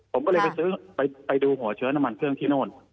ผมก็เลยไปซื้อไปดูหัวเชื้อน้ำมันเครื่องที่โน่น